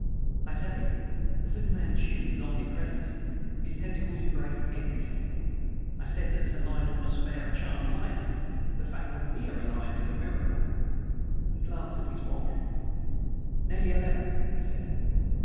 I tell you, Fu Manchu is omnipresent; his tentacles embrace everything. I said that Sir Lionel must bear a charmed life. The fact that WE are alive is a miracle." He glanced at his watch. "Nearly eleven," he said.